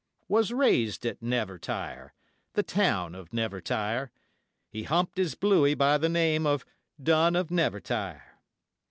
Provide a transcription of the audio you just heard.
Was raised at Nevertire The town of Nevertire; He humped his bluey by the name of 'Dunn of Nevertire'.